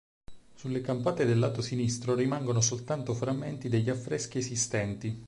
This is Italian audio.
Sulle campate del lato sinistro rimangono soltanto frammenti degli affreschi esistenti.